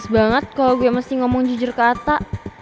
maus banget kalo gue mesti ngomong jujur kata